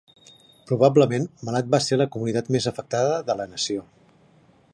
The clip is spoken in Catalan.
Probablement, Malad va ser la comunitat més afectada de la nació.